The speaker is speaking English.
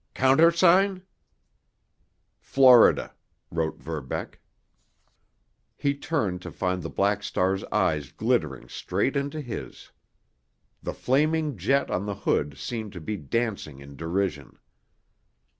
"Countersign?" "Florida," wrote Verbeck. He turned to find the Black Star's eyes glittering straight into his. The flaming jet on the hood seemed to be dancing in derision.